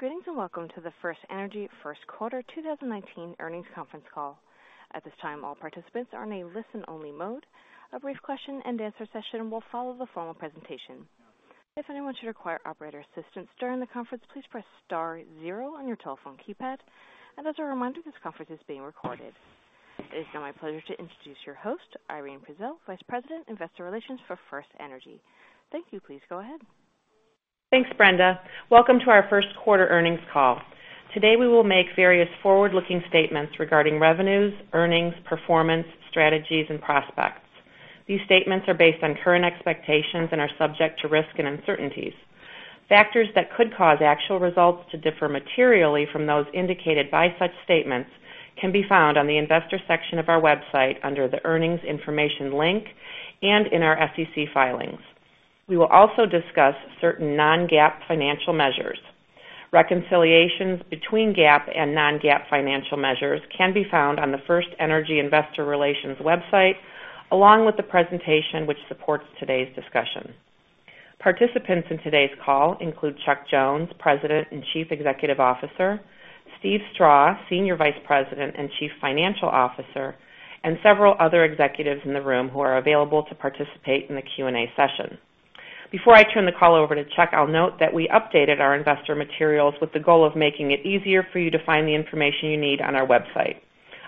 Greetings, and welcome to the FirstEnergy first quarter 2019 earnings conference call. At this time, all participants are in a listen-only mode. A brief question and answer session will follow the formal presentation. If anyone should require operator assistance during the conference, please press star zero on your telephone keypad. As a reminder, this conference is being recorded. It is now my pleasure to introduce your host, Irene Prezelj, Vice President, Investor Relations for FirstEnergy. Thank you. Please go ahead. Thanks, Brenda. Welcome to our first quarter earnings call. Today, we will make various forward-looking statements regarding revenues, earnings, performance, strategies, and prospects. These statements are based on current expectations and are subject to risk and uncertainties. Factors that could cause actual results to differ materially from those indicated by such statements can be found on the investor section of our website under the earnings information link and in our SEC filings. We will also discuss certain non-GAAP financial measures. Reconciliations between GAAP and non-GAAP financial measures can be found on the FirstEnergy investor relations website, along with the presentation which supports today's discussion. Participants in today's call include Chuck Jones, President and Chief Executive Officer, Steven Strah, Senior Vice President and Chief Financial Officer, and several other executives in the room who are available to participate in the Q&A session. Before I turn the call over to Chuck, I'll note that we updated our investor materials with the goal of making it easier for you to find the information you need on our website.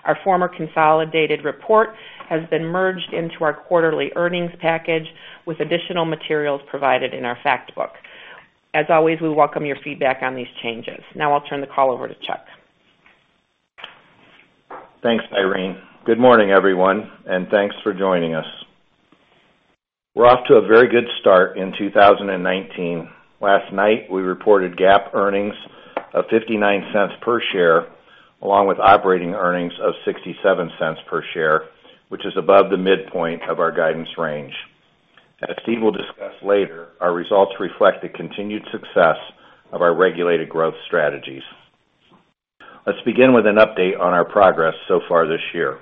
Our former consolidated report has been merged into our quarterly earnings package with additional materials provided in our fact book. As always, we welcome your feedback on these changes. Now, I'll turn the call over to Chuck. Thanks, Irene. Good morning, everyone, thanks for joining us. We're off to a very good start in 2019. Last night, we reported GAAP earnings of $0.59 per share, along with operating earnings of $0.67 per share, which is above the midpoint of our guidance range. As Steve will discuss later, our results reflect the continued success of our regulated growth strategies. Let's begin with an update on our progress so far this year.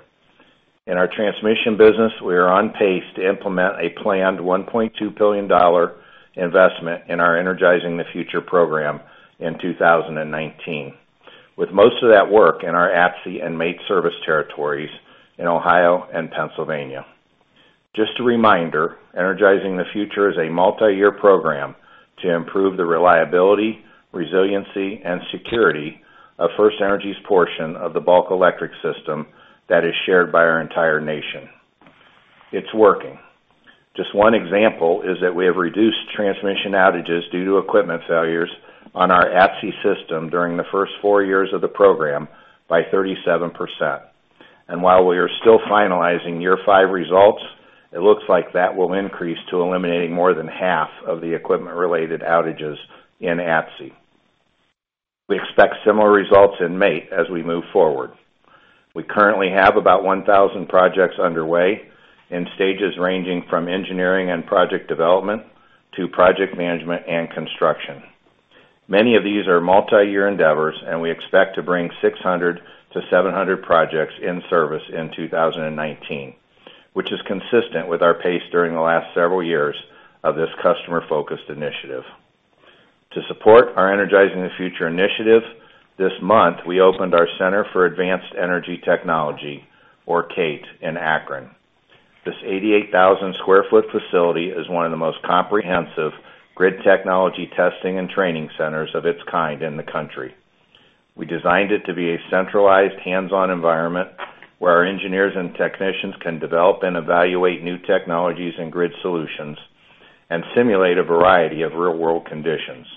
In our transmission business, we are on pace to implement a planned $1.2 billion investment in our Energizing the Future program in 2019, with most of that work in our ATSI and MAIT service territories in Ohio and Pennsylvania. Just a reminder, Energizing the Future is a multi-year program to improve the reliability, resiliency, and security of FirstEnergy's portion of the bulk electric system that is shared by our entire nation. It's working. Just one example is that we have reduced transmission outages due to equipment failures on our ATSI system during the first four years of the program by 37%. While we are still finalizing year five results, it looks like that will increase to eliminating more than half of the equipment-related outages in ATSI. We expect similar results in MAIT as we move forward. We currently have about 1,000 projects underway in stages ranging from engineering and project development to project management and construction. Many of these are multi-year endeavors. We expect to bring 600-700 projects in service in 2019, which is consistent with our pace during the last several years of this customer-focused initiative. To support our Energizing the Future initiative, this month, we opened our Center for Advanced Energy Technology, or CAET, in Akron. This 88,000 sq ft facility is one of the most comprehensive grid technology testing and training centers of its kind in the country. We designed it to be a centralized hands-on environment where our engineers and technicians can develop and evaluate new technologies and grid solutions and simulate a variety of real-world conditions.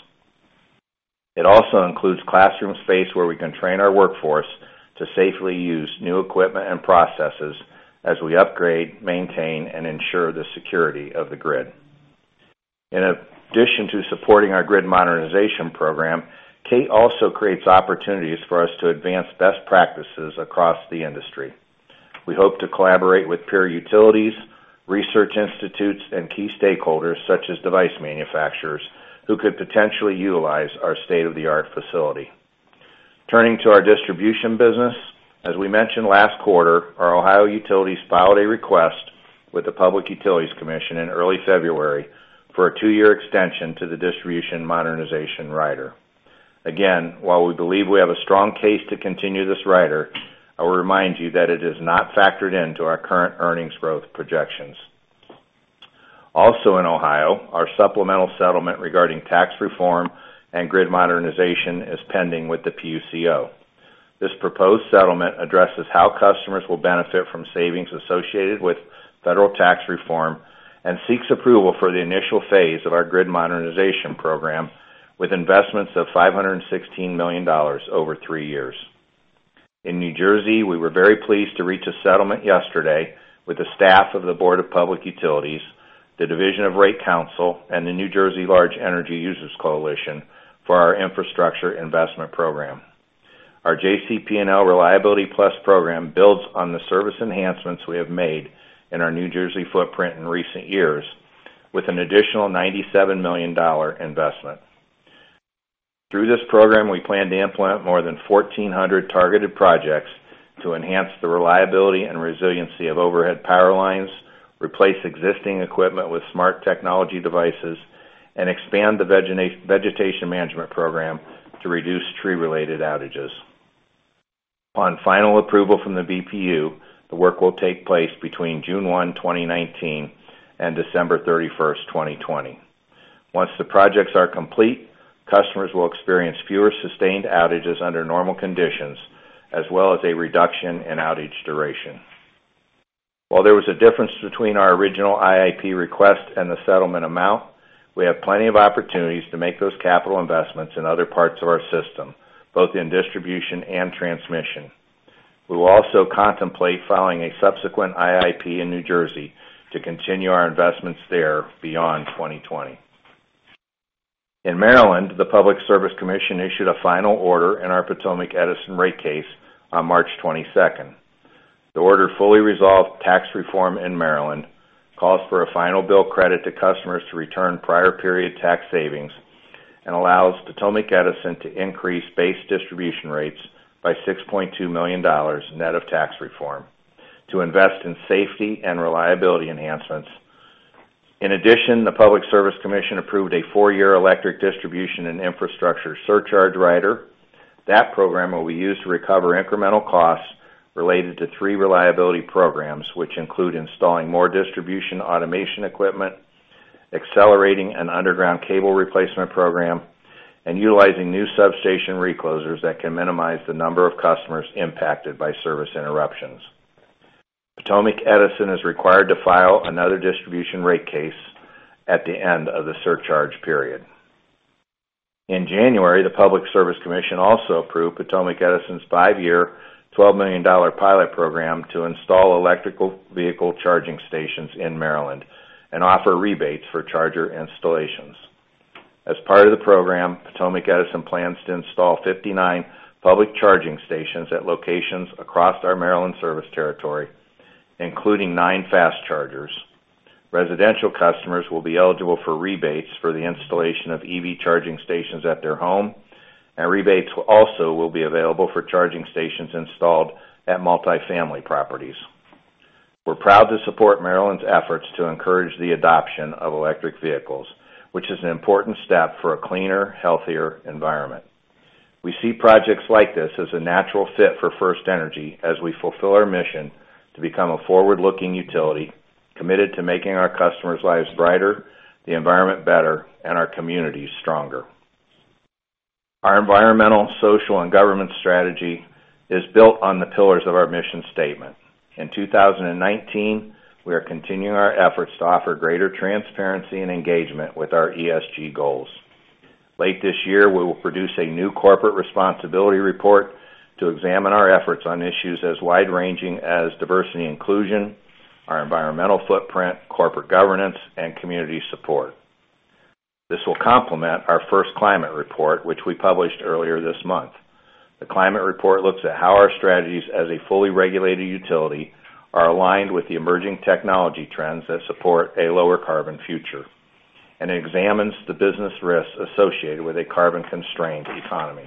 It also includes classroom space where we can train our workforce to safely use new equipment and processes as we upgrade, maintain, and ensure the security of the grid. In addition to supporting our grid modernization program, CAET also creates opportunities for us to advance best practices across the industry. We hope to collaborate with peer utilities, research institutes, and key stakeholders such as device manufacturers who could potentially utilize our state-of-the-art facility. Turning to our distribution business, as we mentioned last quarter, our Ohio utilities filed a request with the Public Utilities Commission of Ohio in early February for a two-year extension to the distribution modernization rider. While we believe we have a strong case to continue this rider, I will remind you that it is not factored into our current earnings growth projections. Also in Ohio, our supplemental settlement regarding tax reform and grid modernization is pending with the PUCO. This proposed settlement addresses how customers will benefit from savings associated with federal tax reform and seeks approval for the initial phase of our grid modernization program with investments of $516 million over three years. In New Jersey, we were very pleased to reach a settlement yesterday with the staff of the New Jersey Board of Public Utilities, the New Jersey Division of Rate Counsel, and the New Jersey Large Energy Users Coalition for our infrastructure investment program. Our JCP&L Reliability Plus program builds on the service enhancements we have made in our New Jersey footprint in recent years with an additional $97 million investment. Through this program, we plan to implement more than 1,400 targeted projects to enhance the reliability and resiliency of overhead power lines, replace existing equipment with smart technology devices, and expand the vegetation management program to reduce tree-related outages. Upon final approval from the BPU, the work will take place between June 1, 2019, and December 31, 2020. Once the projects are complete, customers will experience fewer sustained outages under normal conditions, as well as a reduction in outage duration. While there was a difference between our original IIP request and the settlement amount, we have plenty of opportunities to make those capital investments in other parts of our system, both in distribution and transmission. We will also contemplate filing a subsequent IIP in New Jersey to continue our investments there beyond 2020. In Maryland, the Maryland Public Service Commission issued a final order in our Potomac Edison rate case on March 22nd. The order fully resolved tax reform in Maryland, calls for a final bill credit to customers to return prior period tax savings, and allows Potomac Edison to increase base distribution rates by $6.2 million, net of tax reform, to invest in safety and reliability enhancements. In addition, the Maryland Public Service Commission approved a four-year Electric Distribution and Infrastructure Surcharge Rider. That program will be used to recover incremental costs related to three reliability programs, which include installing more distribution automation equipment, accelerating an underground cable replacement program, and utilizing new substation reclosers that can minimize the number of customers impacted by service interruptions. Potomac Edison is required to file another distribution rate case at the end of the surcharge period. In January, the Maryland Public Service Commission also approved Potomac Edison's five-year, $12 million pilot program to install electrical vehicle charging stations in Maryland and offer rebates for charger installations. As part of the program, Potomac Edison plans to install 59 public charging stations at locations across our Maryland service territory, including nine fast chargers. Residential customers will be eligible for rebates for the installation of EV charging stations at their home, and rebates also will be available for charging stations installed at multifamily properties. We're proud to support Maryland's efforts to encourage the adoption of electric vehicles, which is an important step for a cleaner, healthier environment. We see projects like this as a natural fit for FirstEnergy as we fulfill our mission to become a forward-looking utility committed to making our customers' lives brighter, the environment better, and our communities stronger. Our Environmental, Social, and Government Strategy is built on the pillars of our mission statement. In 2019, we are continuing our efforts to offer greater transparency and engagement with our ESG goals. Late this year, we will produce a new corporate responsibility report to examine our efforts on issues as wide-ranging as diversity and inclusion, our environmental footprint, corporate governance, and community support. This will complement our first climate report, which we published earlier this month. The climate report looks at how our strategies as a fully regulated utility are aligned with the emerging technology trends that support a lower carbon future, and it examines the business risks associated with a carbon-constrained economy.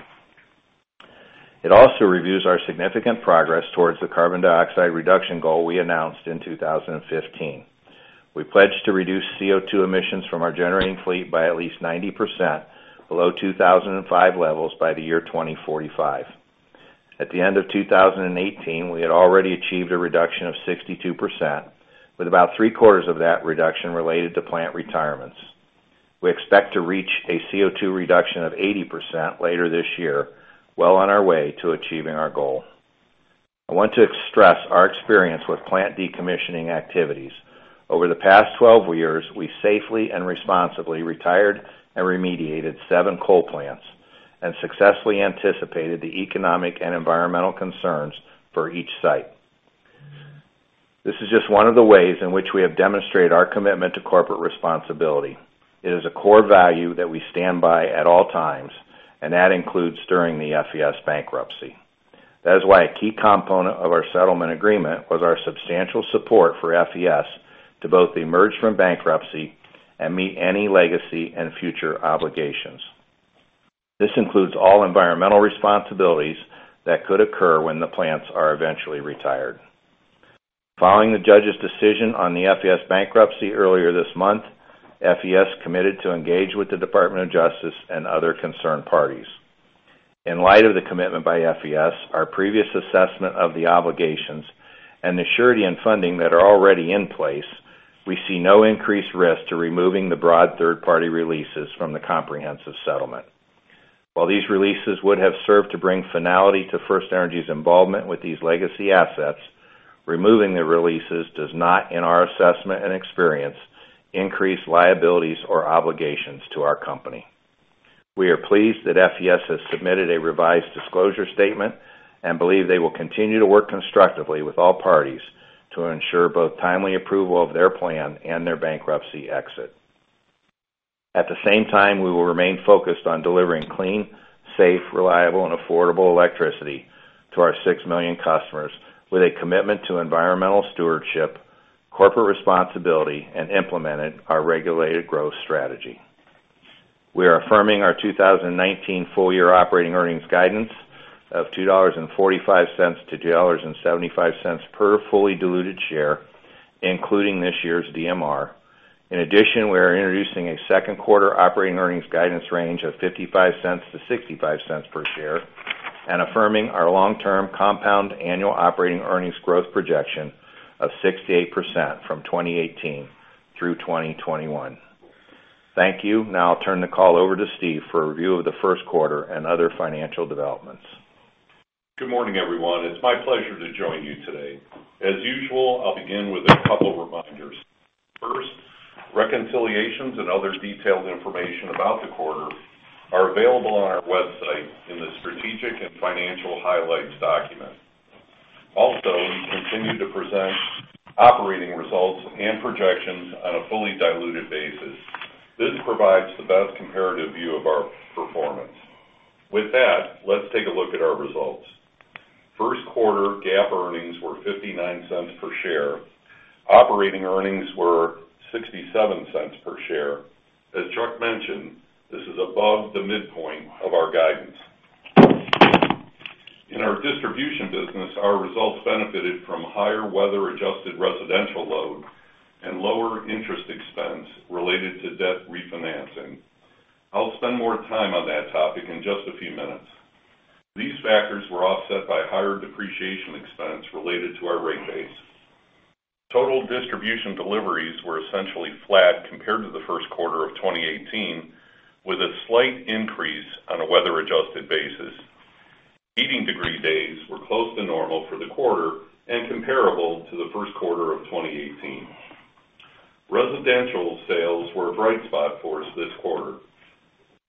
It also reviews our significant progress towards the carbon dioxide reduction goal we announced in 2015. We pledged to reduce CO2 emissions from our generating fleet by at least 90% below 2005 levels by the year 2045. At the end of 2018, we had already achieved a reduction of 62%, with about three-quarters of that reduction related to plant retirements. We expect to reach a CO2 reduction of 80% later this year, well on our way to achieving our goal. I want to stress our experience with plant decommissioning activities. Over the past 12 years, we've safely and responsibly retired and remediated seven coal plants and successfully anticipated the economic and environmental concerns for each site. This is just one of the ways in which we have demonstrated our commitment to corporate responsibility. It is a core value that we stand by at all times, and that includes during the FES bankruptcy. That is why a key component of our settlement agreement was our substantial support for FES to both emerge from bankruptcy and meet any legacy and future obligations. This includes all environmental responsibilities that could occur when the plants are eventually retired. Following the judge's decision on the FES bankruptcy earlier this month, FES committed to engage with the Department of Justice and other concerned parties. In light of the commitment by FES, our previous assessment of the obligations, and the surety and funding that are already in place, we see no increased risk to removing the broad third-party releases from the comprehensive settlement. While these releases would have served to bring finality to FirstEnergy's involvement with these legacy assets, removing the releases does not, in our assessment and experience, increase liabilities or obligations to our company. We are pleased that FES has submitted a revised disclosure statement and believe they will continue to work constructively with all parties to ensure both timely approval of their plan and their bankruptcy exit. At the same time, we will remain focused on delivering clean, safe, reliable, and affordable electricity to our six million customers with a commitment to environmental stewardship, corporate responsibility, and implementing our regulated growth strategy. We are affirming our 2019 full-year operating earnings guidance of $2.45 to $2.75 per fully diluted share, including this year's DMR. In addition, we are introducing a second quarter operating earnings guidance range of $0.55 to $0.65 per share and affirming our long-term compound annual operating earnings growth projection of 6% to 8% from 2018 through 2021. Thank you. Now I'll turn the call over to Steve for a review of the first quarter and other financial developments. Good morning, everyone. It's my pleasure to join you today. As usual, I'll begin with a couple of reminders. First, reconciliations and other detailed information about the quarter are available on our website in the strategic and financial highlights document. Also, we continue to present operating results and projections on a fully diluted basis. This provides the best comparative view of our performance. With that, let's take a look at our results. First quarter GAAP earnings were $0.59 per share. Operating earnings were $0.67 per share. As Chuck mentioned, this is above the midpoint of our guidance. In our distribution business, our results benefited from higher weather-adjusted residential load and lower interest expense related to debt refinancing. I'll spend more time on that topic in just a few minutes. These factors were offset by higher depreciation expense related to our rate base. Total distribution deliveries were essentially flat compared to the first quarter of 2018, with a slight increase on a weather-adjusted basis. Heating degree days were close to normal for the quarter and comparable to the first quarter of 2018. Residential sales were a bright spot for us this quarter.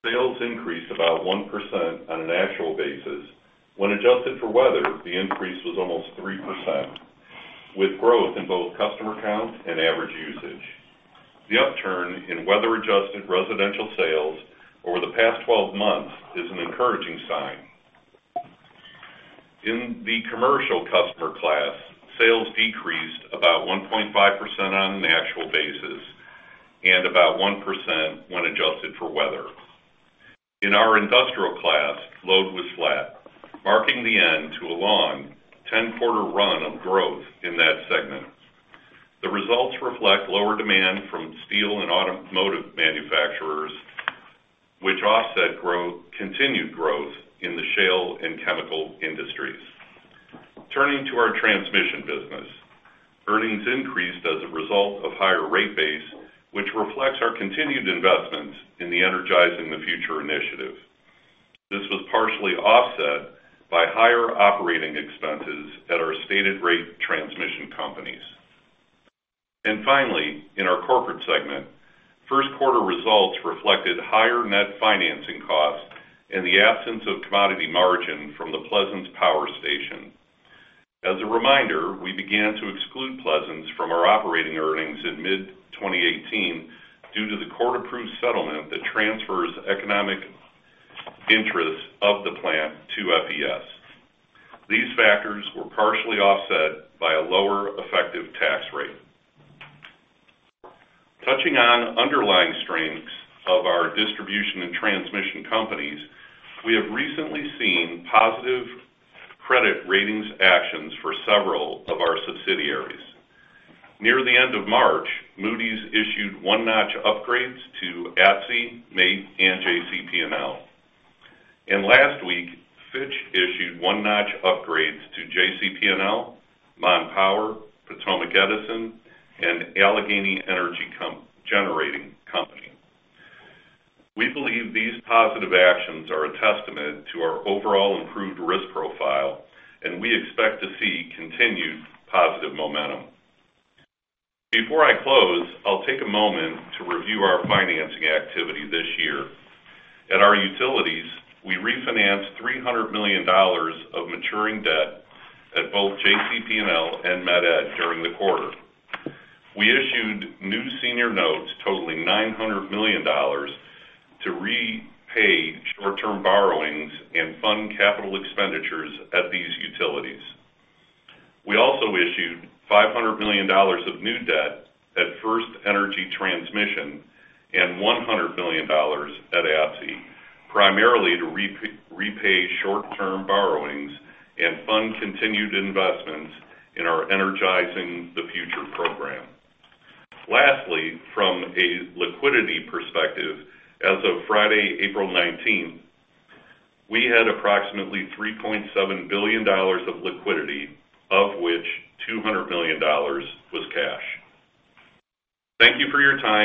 Sales increased about 1% on an actual basis. When adjusted for weather, the increase was almost 3%, with growth in both customer count and average usage. The upturn in weather-adjusted residential sales over the past 12 months is an encouraging sign. In the commercial customer class, sales decreased about 1.5% on an actual basis and about 1% when adjusted for weather. In our industrial class, load was flat, marking the end to a long 10-quarter run of growth in that segment. The results reflect lower demand from steel and automotive manufacturers, which offset continued growth in the shale and chemical industries. Turning to our transmission business. Earnings increased as a result of higher rate base, which reflects our continued investment in the Energizing the Future initiative. This was partially offset by higher operating expenses at our stated rate transmission companies. Finally, in our corporate segment, first quarter results reflected higher net financing costs and the absence of commodity margin from the Pleasants Power Station. As a reminder, we began to exclude Pleasants from our operating earnings in mid-2018 due to the court-approved settlement that transfers economic interests of the plant to FES. These factors were partially offset by a lower effective tax rate. Touching on underlying strengths of our distribution and transmission companies, we have recently seen positive credit ratings actions for several of our subsidiaries. Near the end of March, Moody's issued one-notch upgrades to ATSI, MAIT, and JCP&L. Last week, Fitch issued one-notch upgrades to JCP&L, Mon Power, Potomac Edison, and Allegheny Generating Company. We believe these positive actions are a testament to our overall improved risk profile, and we expect to see continued positive momentum. Before I close, I'll take a moment to review our financing activity this year. At our utilities, we refinanced $300 million of maturing debt at both JCP&L and Met-Ed during the quarter. We issued new senior notes totaling $900 million to repay short-term borrowings and fund capital expenditures at these utilities. We also issued $500 million of new debt at FirstEnergy Transmission and $100 million at ATSI, primarily to repay short-term borrowings and fund continued investments in our Energizing the Future program. Lastly, from a liquidity perspective, as of Friday, April 19th, we had approximately $3.7 billion of liquidity, of which $200 million was cash. Thank you for your time.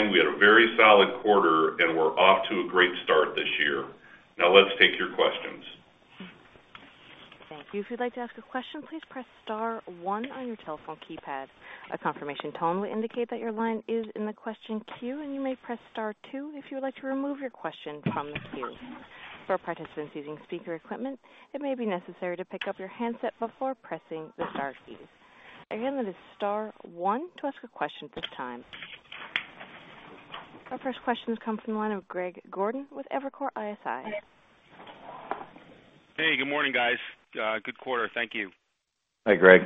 Let's take your questions. Thank you. If you'd like to ask a question, please press star one on your telephone keypad. A confirmation tone will indicate that your line is in the question queue, and you may press star two if you would like to remove your question from the queue. For participants using speaker equipment, it may be necessary to pick up your handset before pressing the star keys. Again, that is star one to ask a question at this time. Our first question has come from the line of Greg Gordon with Evercore ISI. Hey, good morning, guys. Good quarter. Thank you. Hi, Greg.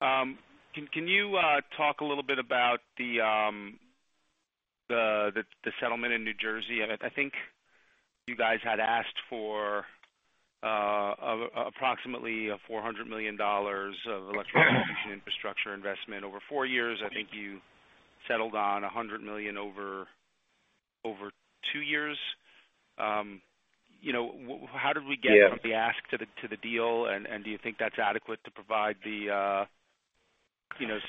Can you talk a little bit about the settlement in New Jersey? I think you guys had asked for approximately $400 million of electrical infrastructure investment over four years. I think you settled on $100 million over two years. Yeah Do you think that's adequate to provide the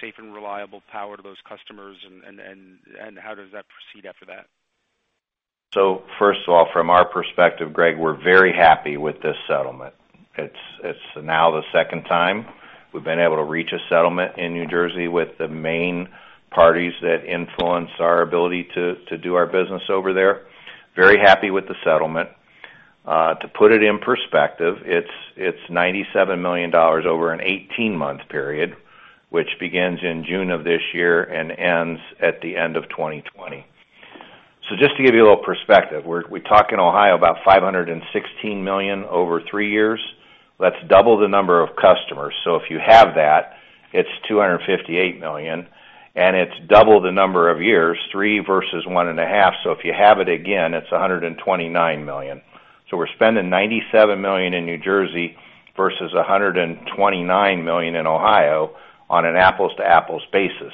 safe and reliable power to those customers? How does that proceed after that? First of all, from our perspective, Greg, we're very happy with this settlement. It's now the second time we've been able to reach a settlement in New Jersey with the main parties that influence our ability to do our business over there. Very happy with the settlement. To put it in perspective, it's $97 million over an 18-month period, which begins in June of this year and ends at the end of 2020. Just to give you a little perspective, we talk in Ohio about $516 million over 3 years. That's double the number of customers. If you have that, it's $258 million, and it's double the number of years, 3 versus one and a half. If you have it again, it's $129 million. We're spending $97 million in New Jersey versus $129 million in Ohio on an apples-to-apples basis.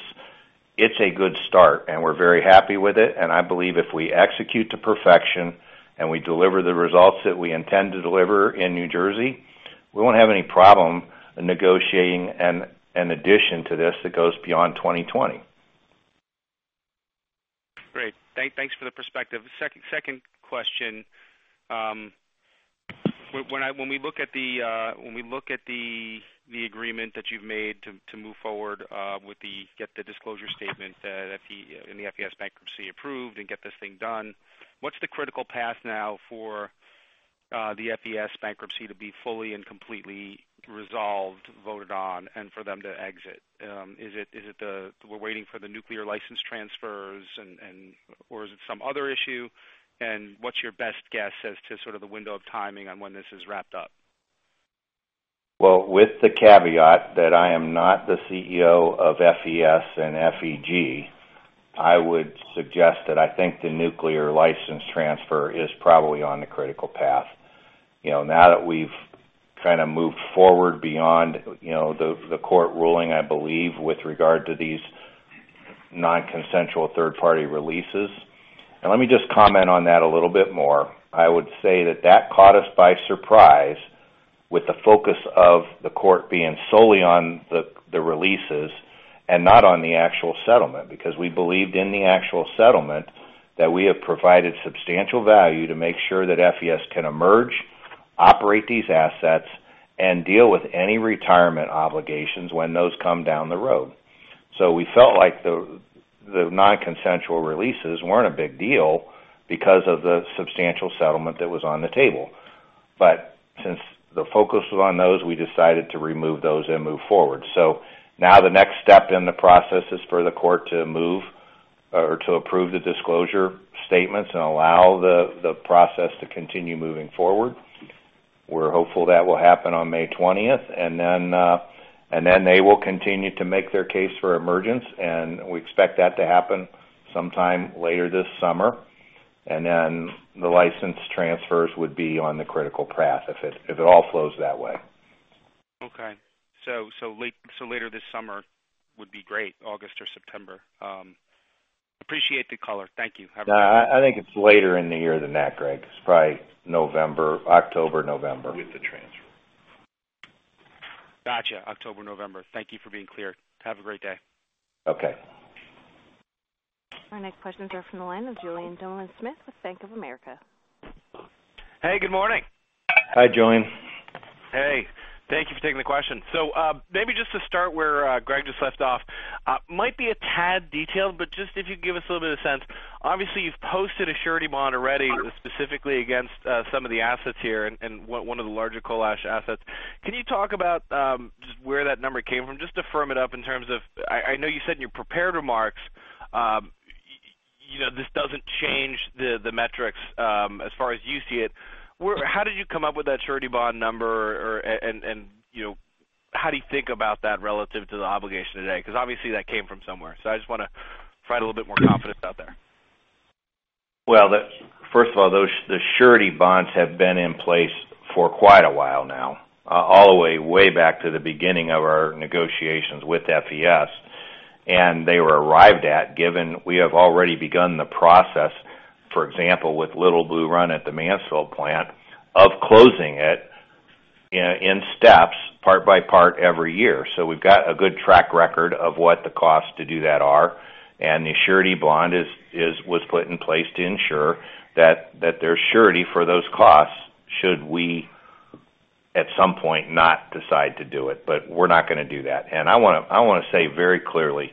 It's a good start, we're very happy with it. I believe if we execute to perfection and we deliver the results that we intend to deliver in New Jersey, we won't have any problem negotiating an addition to this that goes beyond 2020. Great. Thanks for the perspective. Second question. When we look at the agreement that you've made to move forward with the disclosure statement in the FES bankruptcy approved and get this thing done, what's the critical path now for the FES bankruptcy to be fully and completely resolved, voted on, and for them to exit? Is it we're waiting for the nuclear license transfers, or is it some other issue? What's your best guess as to sort of the window of timing on when this is wrapped up? Well, with the caveat that I am not the CEO of FES and FEG, I would suggest that I think the nuclear license transfer is probably on the critical path. Now that we've kind of moved forward beyond the court ruling, I believe, with regard to these non-consensual third-party releases. Let me just comment on that a little bit more. I would say that caught us by surprise with the focus of the court being solely on the releases and not on the actual settlement, because we believed in the actual settlement that we have provided substantial value to make sure that FES can emerge, operate these assets, and deal with any retirement obligations when those come down the road. We felt like the non-consensual releases weren't a big deal because of the substantial settlement that was on the table. Since the focus was on those, we decided to remove those and move forward. Now the next step in the process is for the court to move or to approve the disclosure statements and allow the process to continue moving forward. We're hopeful that will happen on May 20th, then they will continue to make their case for emergence, and we expect that to happen sometime later this summer. Then the license transfers would be on the critical path if it all flows that way. Okay. Later this summer would be great, August or September. Appreciate the call. Thank you. Have a great day. No, I think it's later in the year than that, Greg. It's probably October, November. With the transfer. Got you. October, November. Thank you for being clear. Have a great day. Okay. Our next questions are from the line of Julien Dumoulin-Smith with Bank of America. Hey, good morning. Hi, Julien. Hey. Thank you for taking the question. Maybe just to start where Greg just left off. Might be a tad detailed, just if you could give us a little bit of sense. Obviously, you've posted a surety bond already, specifically against some of the assets here and one of the larger coal ash assets. Can you talk about just where that number came from? Just to firm it up in terms of, I know you said in your prepared remarks, this doesn't change the metrics as far as you see it. How did you come up with that surety bond number, and how do you think about that relative to the obligation today? Obviously that came from somewhere. I just want to find a little bit more confidence out there. First of all, the surety bonds have been in place for quite a while now, all the way back to the beginning of our negotiations with FES. They were arrived at, given we have already begun the process, for example, with Little Blue Run at the Mansfield plant, of closing it in steps, part by part every year. We've got a good track record of what the cost to do that are, the surety bond was put in place to ensure that there's surety for those costs should we, at some point, not decide to do it, we're not going to do that. I want to say very clearly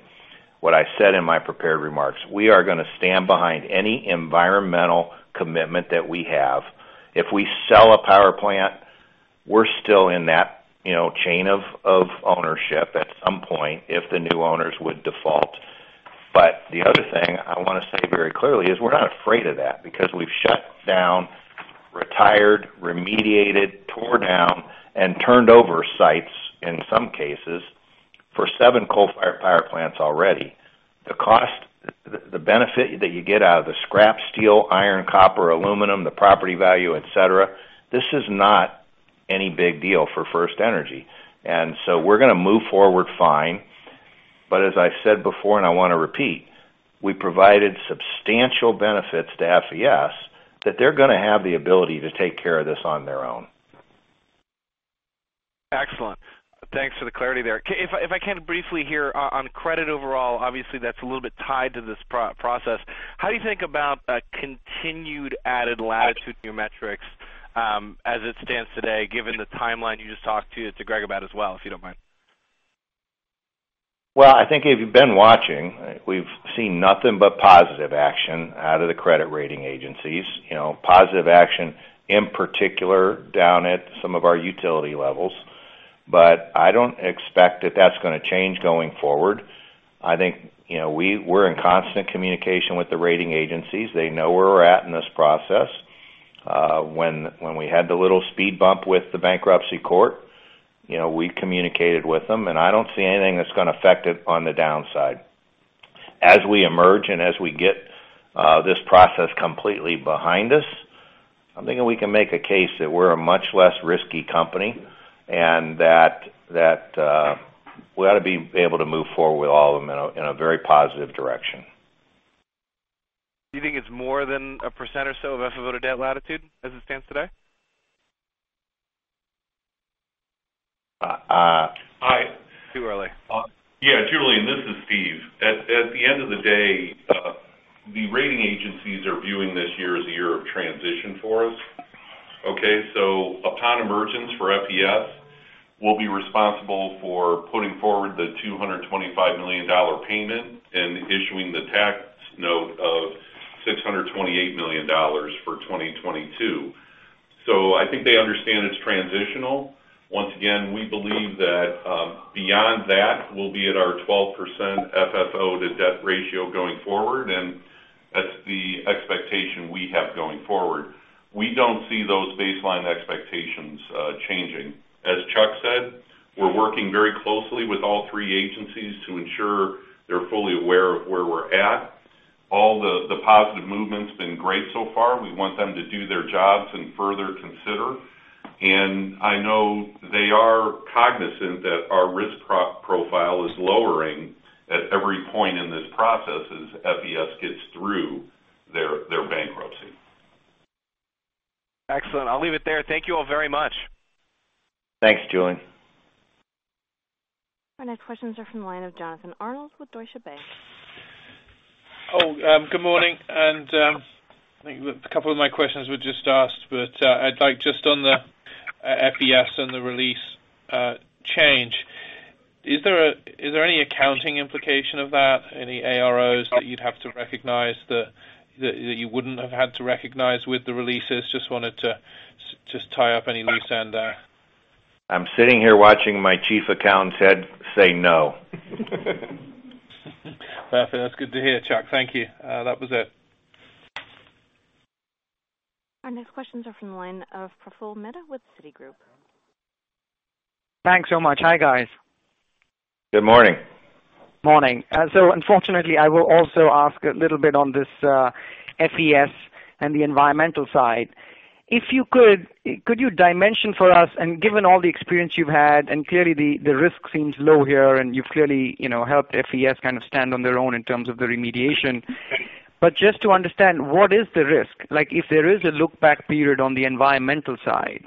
what I said in my prepared remarks. We are going to stand behind any environmental commitment that we have. If we sell a power plant, we're still in that chain of ownership at some point if the new owners would default. The other thing I want to say very clearly is we're not afraid of that because we've shut down, retired, remediated, tore down, and turned over sites, in some cases, for seven coal-fired power plants already. The benefit that you get out of the scrap steel, iron, copper, aluminum, the property value, et cetera, this is not any big deal for FirstEnergy. We're going to move forward fine. As I said before, I want to repeat, we provided substantial benefits to FES that they're going to have the ability to take care of this on their own. Excellent. Thanks for the clarity there. If I can briefly here, on credit overall, obviously that's a little bit tied to this process. How do you think about a continued added latitude in your metrics, as it stands today, given the timeline you just talked to Greg about as well, if you don't mind? Well, I think if you've been watching, we've seen nothing but positive action out of the credit rating agencies. Positive action in particular down at some of our utility levels. I don't expect that that's going to change going forward. I think we're in constant communication with the rating agencies. They know where we're at in this process. When we had the little speed bump with the bankruptcy court, we communicated with them. I don't see anything that's going to affect it on the downside. As we emerge and as we get this process completely behind us, I'm thinking we can make a case that we're a much less risky company. That we ought to be able to move forward with all of them in a very positive direction. Do you think it's more than a % or so of FFO to debt latitude as it stands today? Uh, I- Too early. Yeah, Julien, this is Steven. At the end of the day, the rating agencies are viewing this year as a year of transition for us. Okay. Upon emergence for FES, we'll be responsible for putting forward the $225 million payment and issuing the tax note of $628 million for 2022. I think they understand it's transitional. Once again, we believe that beyond that, we'll be at our 12% FFO to debt ratio going forward, and that's the expectation we have going forward. We don't see those baseline expectations changing. As Chuck said, we're working very closely with all three agencies to ensure they're fully aware of where we're at. All the positive movement's been great so far. We want them to do their jobs and further consider. I know they are cognizant that our risk profile is lowering at every point in this process as FES gets through their bankruptcy. Excellent. I'll leave it there. Thank you all very much. Thanks, Julien. Our next questions are from the line of Jonathan Arnold with Deutsche Bank. Good morning. I think a couple of my questions were just asked, but I'd like just on the FES and the release change. Is there any accounting implication of that? Any AROs that you'd have to recognize that you wouldn't have had to recognize with the releases? Just wanted to tie up any loose end there. I'm sitting here watching my chief accountant say no. Perfect. That's good to hear, Chuck. Thank you. That was it. Our next questions are from the line of Praful Mehta with Citigroup. Thanks so much. Hi, guys. Good morning. Morning. Unfortunately, I will also ask a little bit on this FES and the environmental side. If you could you dimension for us, and given all the experience you've had, and clearly the risk seems low here, and you've clearly helped FES kind of stand on their own in terms of the remediation. Just to understand, what is the risk? If there is a look-back period on the environmental side,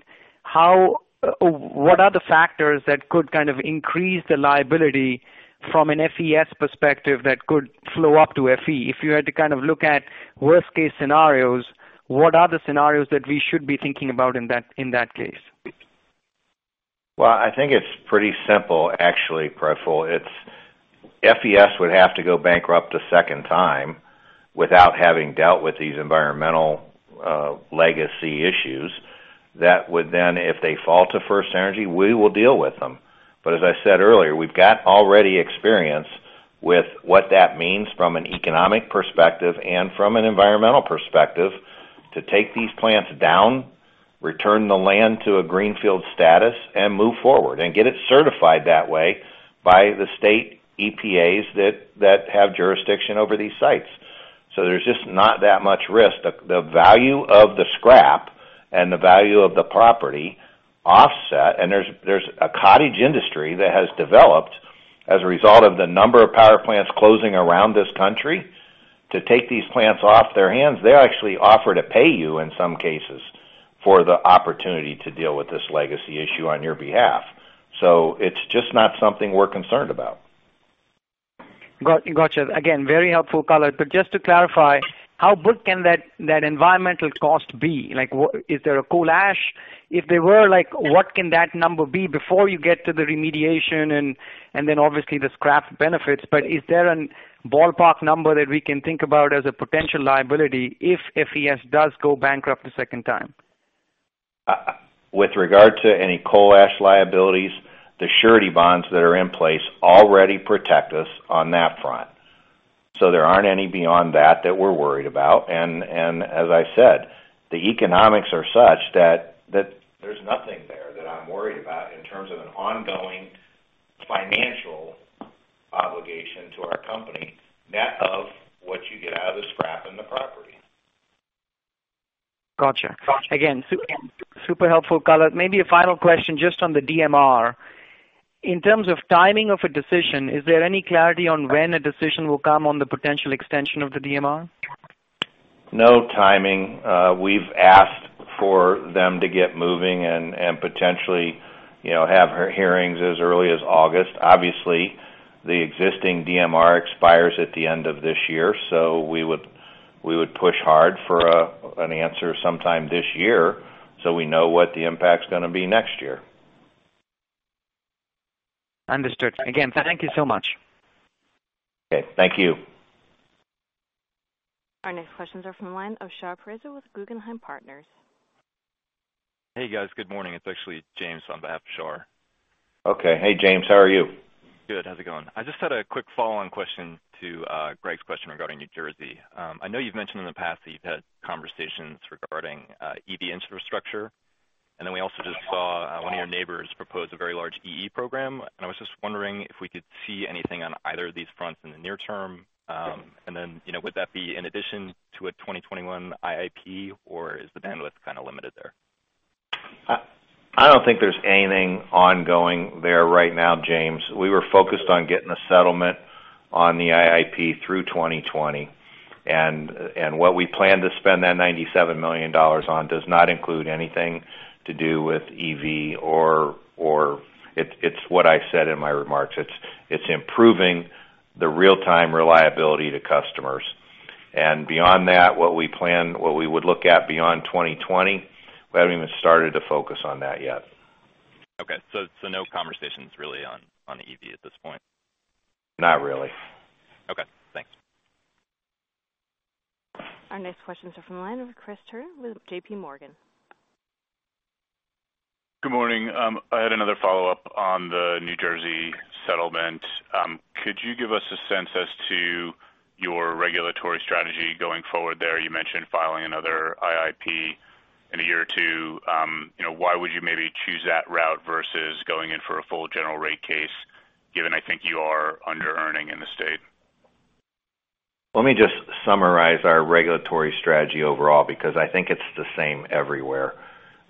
what are the factors that could kind of increase the liability from an FES perspective that could flow up to FE? If you had to kind of look at worst case scenarios, what are the scenarios that we should be thinking about in that case? Well, I think it's pretty simple, actually, Praful. FES would have to go bankrupt a second time without having dealt with these environmental legacy issues. If they fall to FirstEnergy, we will deal with them. As I said earlier, we've got already experience with what that means from an economic perspective and from an environmental perspective to take these plants down, return the land to a greenfield status, and move forward. Get it certified that way by the state EPAs that have jurisdiction over these sites. There's just not that much risk. The value of the scrap and the value of the property offset. There's a cottage industry that has developed as a result of the number of power plants closing around this country. To take these plants off their hands, they'll actually offer to pay you, in some cases, for the opportunity to deal with this legacy issue on your behalf. It's just not something we're concerned about. Gotcha. Again, very helpful color. Just to clarify, how big can that environmental cost be? Is there a coal ash? If there were, what can that number be before you get to the remediation and then obviously the scrap benefits, is there a ballpark number that we can think about as a potential liability if FES does go bankrupt a second time? With regard to any coal ash liabilities, the surety bonds that are in place already protect us on that front. There aren't any beyond that we're worried about. As I said, the economics are such that there's nothing there that I'm worried about in terms of an ongoing financial obligation to our company, net of what you get out of the scrap and the property. Got you. Again, super helpful color. Maybe a final question just on the DMR. In terms of timing of a decision, is there any clarity on when a decision will come on the potential extension of the DMR? No timing. We've asked for them to get moving and potentially have hearings as early as August. Obviously, the existing DMR expires at the end of this year. We would push hard for an answer sometime this year. We know what the impact's going to be next year. Understood. Again, thank you so much. Okay. Thank you. Our next questions are from the line of Shahriar Pourreza with Guggenheim Partners. Hey, guys. Good morning. It's actually James on behalf of Shar. Okay. Hey, James. How are you? Good. How's it going? I just had a quick follow-on question to Greg's question regarding New Jersey. I know you've mentioned in the past that you've had conversations regarding EV infrastructure. We also just saw one of your neighbors propose a very large EE program. I was just wondering if we could see anything on either of these fronts in the near term. Would that be in addition to a 2021 IIP, or is the bandwidth kind of limited there? I don't think there's anything ongoing there right now, James. We were focused on getting a settlement on the IIP through 2020. What we plan to spend that $97 million on does not include anything to do with EV or it's what I said in my remarks. It's improving the real-time reliability to customers. Beyond that, what we plan, what we would look at beyond 2020, we haven't even started to focus on that yet. Okay. No conversations really on EV at this point? Not really. Okay. Thanks. Our next questions are from the line of Chris Turnure with JPMorgan. Good morning. I had another follow-up on the New Jersey settlement. Could you give us a sense as to your regulatory strategy going forward there? You mentioned filing another IIP in a year or two. Why would you maybe choose that route versus going in for a full general rate case, given I think you are under-earning in the state? Let me just summarize our regulatory strategy overall, because I think it's the same everywhere.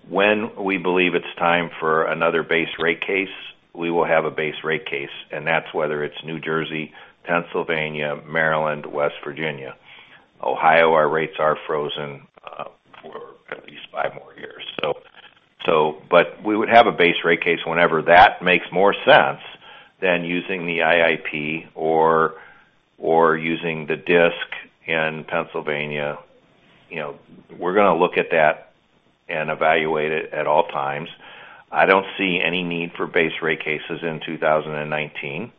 When we believe it's time for another base rate case, we will have a base rate case, and that's whether it's New Jersey, Pennsylvania, Maryland, West Virginia. Ohio, our rates are frozen for at least five more years. We would have a base rate case whenever that makes more sense than using the IIP or using the DISC in Pennsylvania. We're going to look at that and evaluate it at all times. I don't see any need for base rate cases in 2019.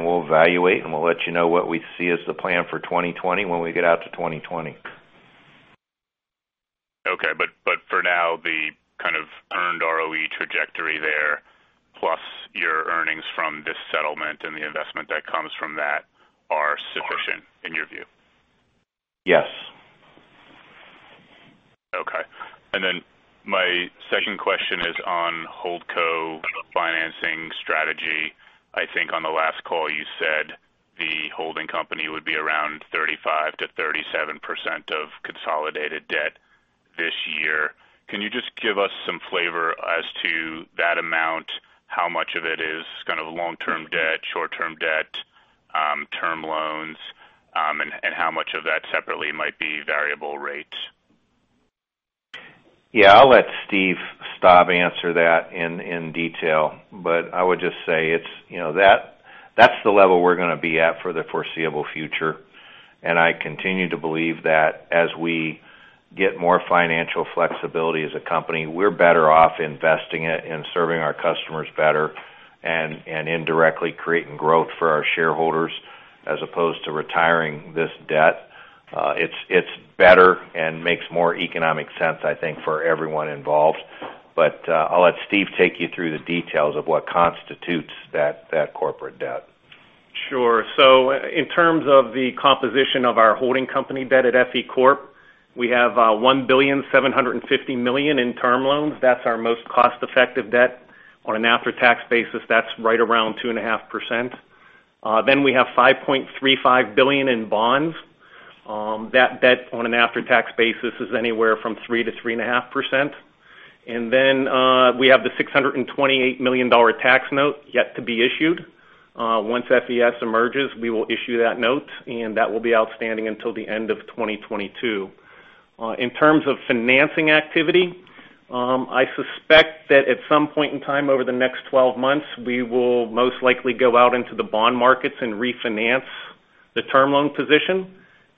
We'll evaluate, and we'll let you know what we see as the plan for 2020 when we get out to 2020. Okay. For now, the kind of earned ROE trajectory there, plus your earnings from this settlement and the investment that comes from that are sufficient in your view? Yes. Okay. My second question is on holdco financing strategy. I think on the last call, you said the holding company would be around 35%-37% of consolidated debt this year. Can you just give us some flavor as to that amount? How much of it is long-term debt, short-term debt, term loans, and how much of that separately might be variable rates? Yeah. I'll let Steve Strah answer that in detail, I would just say that's the level we're going to be at for the foreseeable future. I continue to believe that as we get more financial flexibility as a company, we're better off investing it in serving our customers better and indirectly creating growth for our shareholders as opposed to retiring this debt. It's better and makes more economic sense, I think, for everyone involved. I'll let Steve take you through the details of what constitutes that corporate debt. Sure. In terms of the composition of our holding company debt at FE Corp, we have $1.75 billion in term loans. That's our most cost-effective debt. On an after-tax basis, that's right around 2.5%. We have $5.35 billion in bonds. That debt, on an after-tax basis, is anywhere from 3%-3.5%. We have the $628 million tax note yet to be issued. Once FES emerges, we will issue that note, and that will be outstanding until the end of 2022. In terms of financing activity, I suspect that at some point in time over the next 12 months, we will most likely go out into the bond markets and refinance the term loan position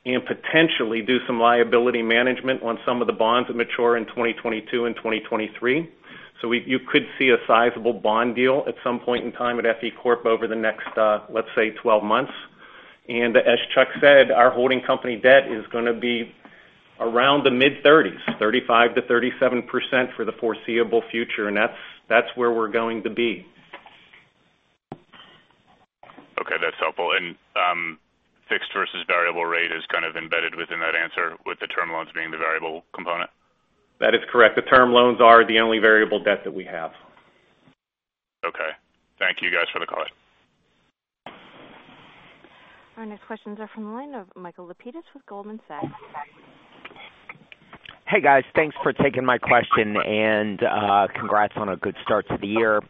and potentially do some liability management on some of the bonds that mature in 2022 and 2023. You could see a sizable bond deal at some point in time at FE Corp over the next, let's say, 12 months. As Chuck said, our holding company debt is going to be around the mid-30s, 35%-37% for the foreseeable future, and that's where we're going to be. Okay, that's helpful. Fixed versus variable rate is kind of embedded within that answer, with the term loans being the variable component? That is correct. The term loans are the only variable debt that we have. Okay. Thank you guys for the call. Our next questions are from the line of Michael Lapides with Goldman Sachs. Hey, guys. Thanks for taking my question, and congrats on a good start to the year.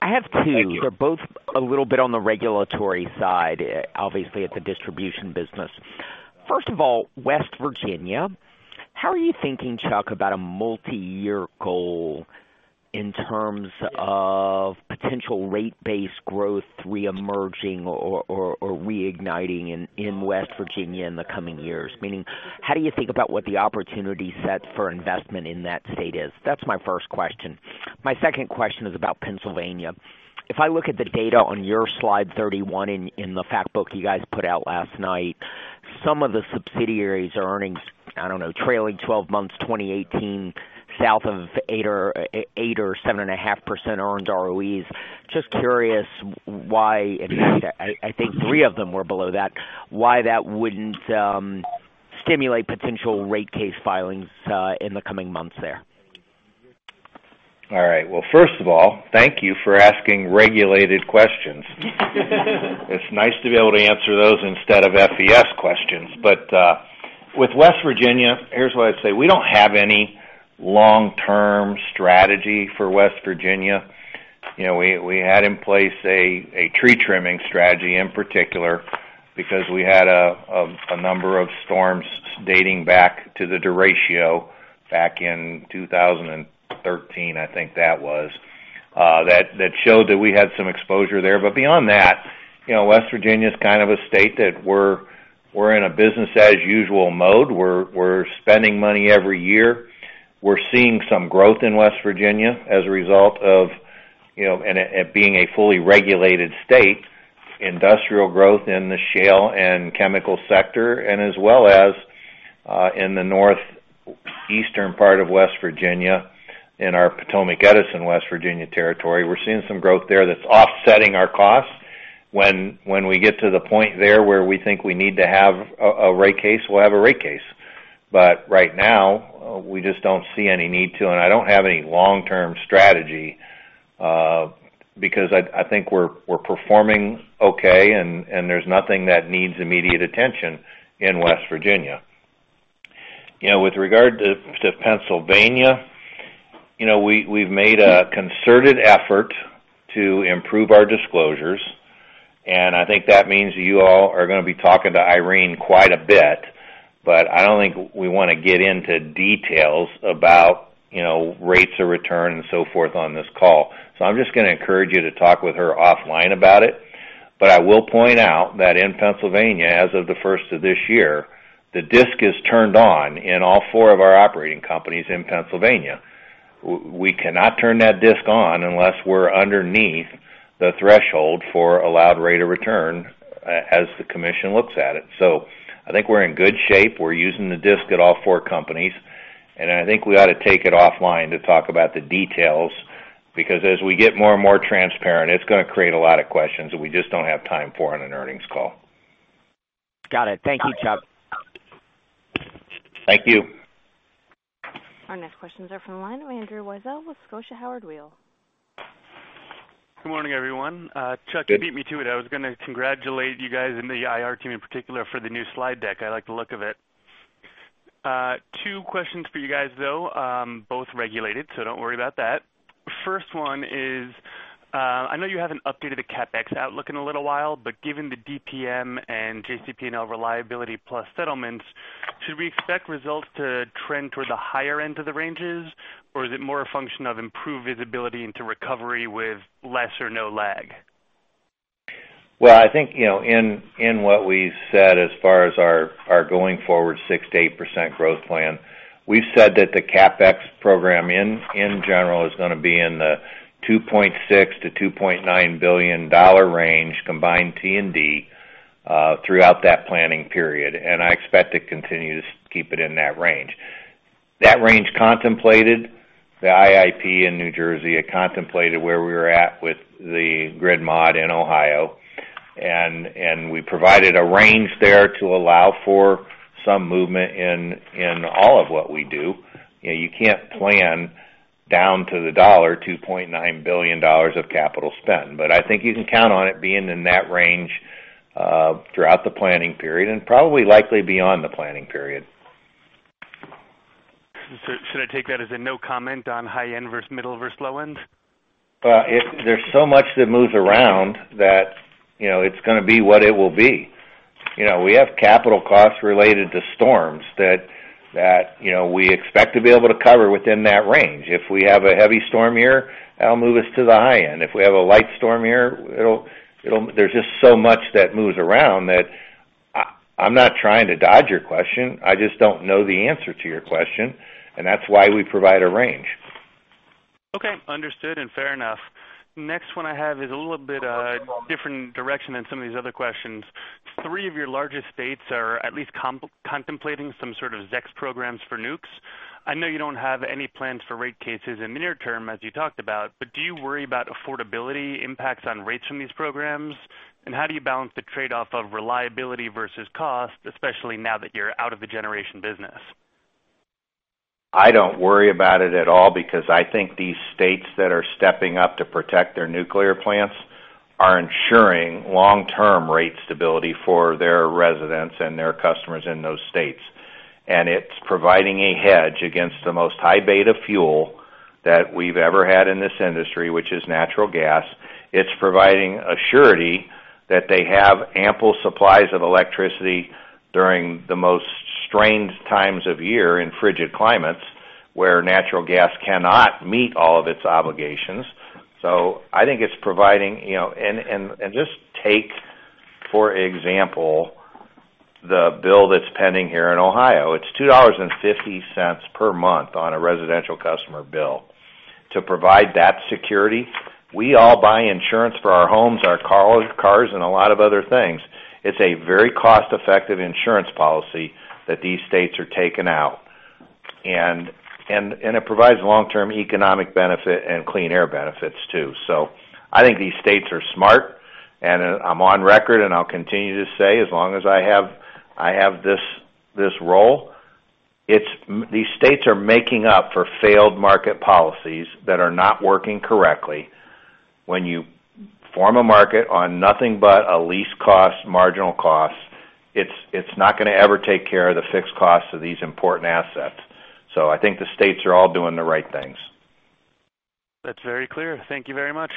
Thank you. I have two. They're both a little bit on the regulatory side, obviously at the distribution business. First of all, West Virginia. How are you thinking, Chuck, about a multi-year goal in terms of potential rate base growth reemerging or reigniting in West Virginia in the coming years? Meaning, how do you think about what the opportunity set for investment in that state is? That's my first question. My second question is about Pennsylvania. If I look at the data on your slide 31 in the fact book you guys put out last night, some of the subsidiaries are earnings, I don't know, trailing 12 months 2018, south of 8% or 7.5% earned ROEs. Just curious why, in fact, I think three of them were below that, why that wouldn't stimulate potential rate case filings in the coming months there? First of all, thank you for asking regulated questions. It's nice to be able to answer those instead of FES questions. With West Virginia, here's what I'd say. We don't have any long-term strategy for West Virginia. We had in place a tree trimming strategy, in particular, because we had a number of storms dating back to the derecho back in 2013, I think that was, that showed that we had some exposure there. Beyond that, West Virginia is kind of a state that we're in a business as usual mode. We're spending money every year. We're seeing some growth in West Virginia as a result of it being a fully regulated state, industrial growth in the shale and chemical sector, and as well as in the northeastern part of West Virginia in our Potomac Edison, West Virginia territory. We're seeing some growth there that's offsetting our costs. When we get to the point there where we think we need to have a rate case, we'll have a rate case. Right now, we just don't see any need to, and I don't have any long-term strategy, because I think we're performing okay, and there's nothing that needs immediate attention in West Virginia. With regard to Pennsylvania, we've made a concerted effort to improve our disclosures, and I think that means you all are going to be talking to Irene quite a bit. I don't think we want to get into details about rates of return and so forth on this call. I'm just going to encourage you to talk with her offline about it. I will point out that in Pennsylvania, as of the first of this year, the DISC is turned on in all four of our operating companies in Pennsylvania. We cannot turn that DISC on unless we're underneath the threshold for allowed rate of return as the commission looks at it. I think we're in good shape. We're using the DISC at all four companies, and I think we ought to take it offline to talk about the details, because as we get more and more transparent, it's going to create a lot of questions that we just don't have time for on an earnings call. Got it. Thank you, Chuck. Thank you. Our next questions are from the line of Andrew Weisel with Scotia Howard Weil. Good morning, everyone. Good- Chuck, you beat me to it. I was going to congratulate you guys and the IR team in particular for the new slide deck. I like the look of it. Two questions for you guys, though, both regulated, so don't worry about that. First one is, I know you haven't updated the CapEx outlook in a little while, but given the DPM and JCP&L Reliability Plus settlements, should we expect results to trend toward the higher end of the ranges? Or is it more a function of improved visibility into recovery with less or no lag? Well, I think in what we've said as far as our going forward 6%-8% growth plan, we've said that the CapEx program in general is going to be in the $2.6 billion-$2.9 billion range, combined T&D, throughout that planning period, and I expect to continue to keep it in that range. That range contemplated the IIP in New Jersey. It contemplated where we were at with the grid mod in Ohio. We provided a range there to allow for some movement in all of what we do. You can't plan down to the dollar, $2.9 billion of capital spend. I think you can count on it being in that range throughout the planning period and probably likely beyond the planning period. Should I take that as a no comment on high end versus middle versus low end? There's so much that moves around that it's going to be what it will be. We have capital costs related to storms that we expect to be able to cover within that range. If we have a heavy storm year, that'll move us to the high end. If we have a light storm year, there's just so much that moves around that I'm not trying to dodge your question, I just don't know the answer to your question, That's why we provide a range. Okay. Understood and fair enough. Next one I have is a little bit a different direction than some of these other questions. Three of your largest states are at least contemplating some sort of ZEC programs for nukes. I know you don't have any plans for rate cases in the near term, as you talked about. Do you worry about affordability impacts on rates from these programs? How do you balance the trade-off of reliability versus cost, especially now that you're out of the generation business? I don't worry about it at all because I think these states that are stepping up to protect their nuclear plants are ensuring long-term rate stability for their residents and their customers in those states. It's providing a hedge against the most high beta fuel that we've ever had in this industry, which is natural gas. It's providing a surety that they have ample supplies of electricity during the most strained times of year in frigid climates where natural gas cannot meet all of its obligations. I think it's providing and just take, for example, the bill that's pending here in Ohio. It's $2.50 per month on a residential customer bill to provide that security. We all buy insurance for our homes, our cars, and a lot of other things. It's a very cost-effective insurance policy that these states are taking out. It provides long-term economic benefit and clean air benefits, too. I think these states are smart, and I'm on record, and I'll continue to say, as long as I have this role. These states are making up for failed market policies that are not working correctly. When you form a market on nothing but a least cost, marginal cost, it's not going to ever take care of the fixed costs of these important assets. I think the states are all doing the right things. That's very clear. Thank you very much.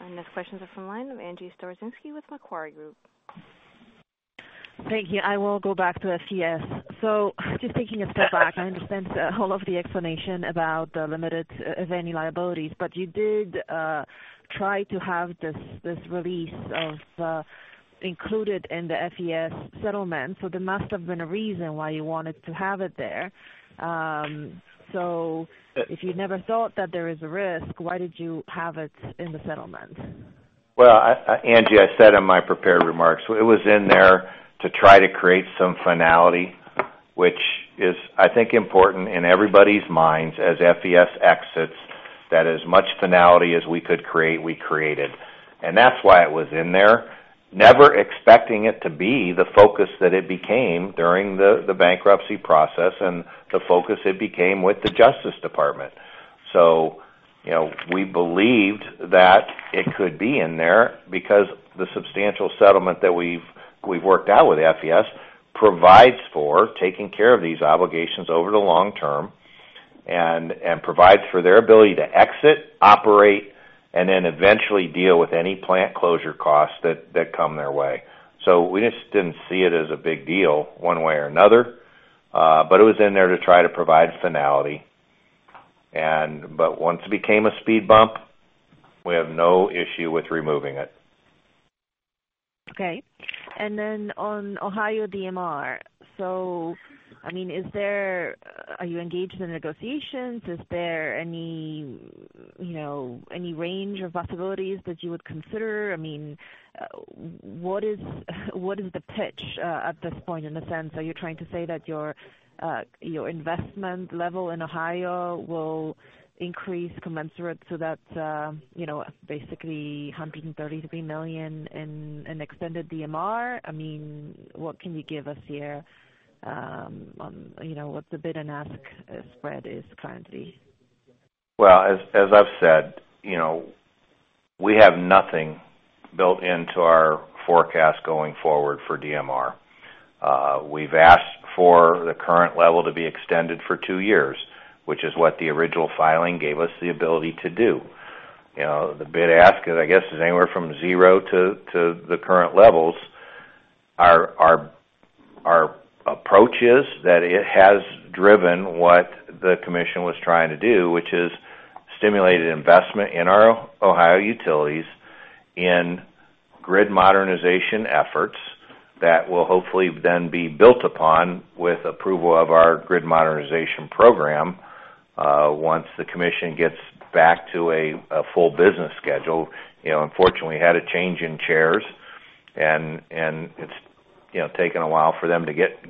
Our next question is from the line of Angie Storozynski with Macquarie Group. Thank you. I will go back to FES. Just taking a step back, I understand all of the explanation about the limited venue liabilities. You did try to have this release included in the FES settlement, there must have been a reason why you wanted to have it there. If you never thought that there is a risk, why did you have it in the settlement? Well, Angie, I said in my prepared remarks. It was in there to try to create some finality, which is, I think, important in everybody's minds as FES exits, that as much finality as we could create, we created. That's why it was in there. Never expecting it to be the focus that it became during the bankruptcy process and the focus it became with the Department of Justice. We believed that it could be in there because the substantial settlement that we've worked out with FES provides for taking care of these obligations over the long term and provides for their ability to exit, operate, and then eventually deal with any plant closure costs that come their way. We just didn't see it as a big deal one way or another. It was in there to try to provide finality. Once it became a speed bump, we have no issue with removing it. On Ohio DMR. Are you engaged in negotiations? Is there any range of possibilities that you would consider? What is the pitch at this point in a sense? Are you trying to say that your investment level in Ohio will increase commensurate so that basically $133 million in extended DMR? What can you give us here on what the bid and ask spread is currently? Well, as I've said, we have nothing built into our forecast going forward for DMR. We've asked for the current level to be extended for two years, which is what the original filing gave us the ability to do. The bid ask is, I guess, is anywhere from zero to the current levels. Our approach is that it has driven what the commission was trying to do, which is stimulate an investment in our Ohio utilities in grid modernization efforts that will hopefully then be built upon with approval of our grid modernization program once the commission gets back to a full business schedule. Unfortunately, had a change in chairs, and it's taken a while for them to get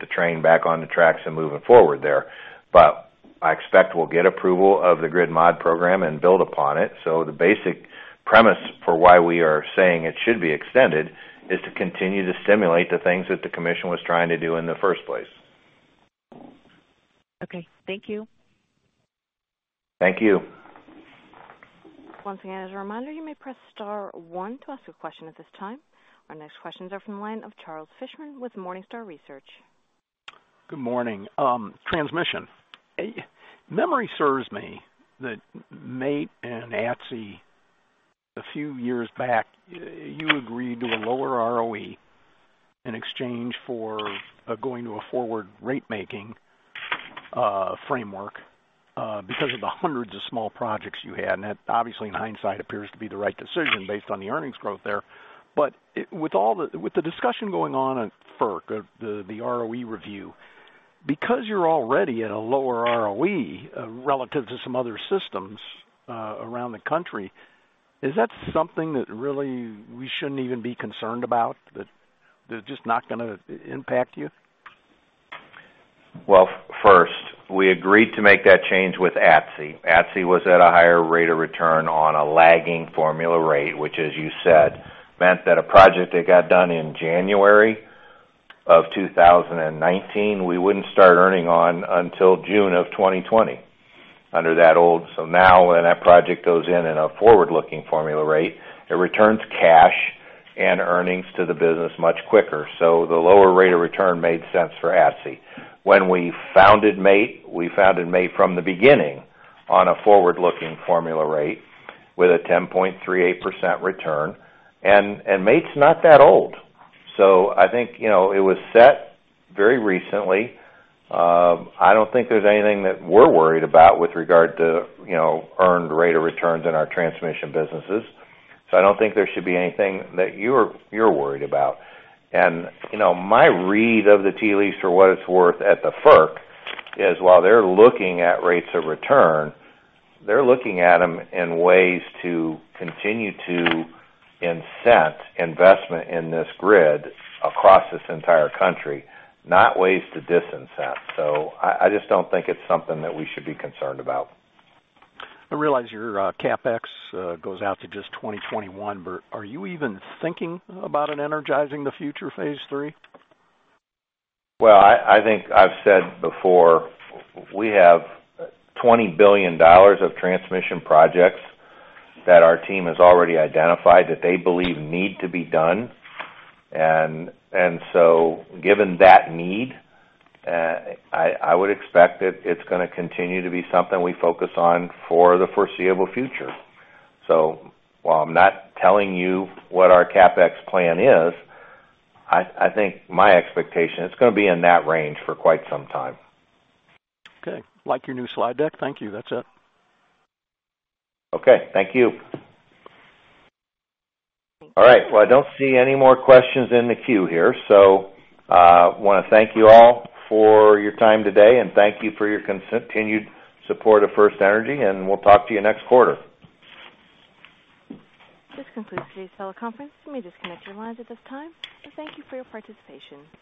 the train back on the tracks and moving forward there. I expect we'll get approval of the grid mod program and build upon it. The basic premise for why we are saying it should be extended is to continue to stimulate the things that the commission was trying to do in the first place. Okay. Thank you. Thank you. Once again, as a reminder, you may press star 1 to ask a question at this time. Our next questions are from the line of Charles Fishman with Morningstar Research. Good morning. Transmission. Memory serves me that MAIT and ATSI, a few years back, you agreed to a lower ROE in exchange for going to a forward rate-making framework. Because of the hundreds of small projects you had, and that obviously in hindsight appears to be the right decision based on the earnings growth there. With the discussion going on at FERC, the ROE review, because you're already at a lower ROE relative to some other systems around the country, is that something that really we shouldn't even be concerned about, that's just not going to impact you? Well, first, we agreed to make that change with ATSI. ATSI was at a higher rate of return on a lagging formula rate, which, as you said, meant that a project that got done in January of 2019, we wouldn't start earning on until June of 2020 under that old. Now, when that project goes in in a forward-looking formula rate, it returns cash and earnings to the business much quicker. The lower rate of return made sense for ATSI. When we founded MAIT, we founded MAIT from the beginning on a forward-looking formula rate with a 10.38% return. MAIT's not that old, so I think it was set very recently. I don't think there's anything that we're worried about with regard to earned rate of returns in our transmission businesses. I don't think there should be anything that you're worried about. My read of the tea leaves for what it's worth at the FERC is while they're looking at rates of return, they're looking at them in ways to continue to incent investment in this grid across this entire country, not ways to disincent. I just don't think it's something that we should be concerned about. I realize your CapEx goes out to just 2021, but are you even thinking about an Energizing the Future phase 3? Well, I think I've said before, we have $20 billion of transmission projects that our team has already identified that they believe need to be done. Given that need, I would expect that it's going to continue to be something we focus on for the foreseeable future. While I'm not telling you what our CapEx plan is, I think my expectation, it's going to be in that range for quite some time. Okay. Like your new slide deck. Thank you. That's it. Okay. Thank you. All right, well, I don't see any more questions in the queue here. Want to thank you all for your time today. Thank you for your continued support of FirstEnergy. We'll talk to you next quarter. This concludes today's teleconference. You may disconnect your lines at this time. Thank you for your participation.